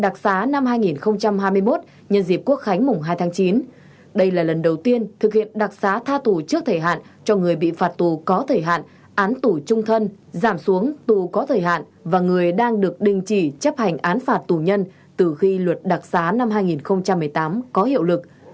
đặc xá năm hai nghìn hai mươi một nhân dịp quốc khánh mùng hai tháng chín đây là lần đầu tiên thực hiện đặc xá tha tù trước thời hạn cho người bị phạt tù có thời hạn án tù trung thân giảm xuống tù có thời hạn và người đang được đình chỉ chấp hành án phạt tù nhân từ khi luật đặc xá năm hai nghìn một mươi tám có hiệu lực